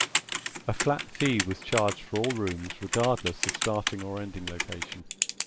A flat fee was charged for all rooms, regardless of starting or ending location.